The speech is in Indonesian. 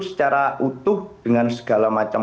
secara utuh dengan segala macam